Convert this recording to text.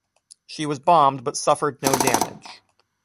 She was bombed but suffered no damage.